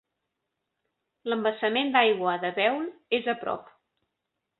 L'embassament d'aigua de Bewl és a prop.